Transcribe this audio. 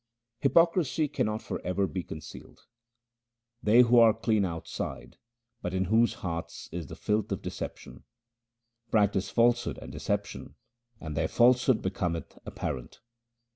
Hypocrisy cannot for ever be concealed :— They who are clean outside, but in whose hearts is the filth of deception, Practise falsehood and deception, and their falsehood becometh apparent.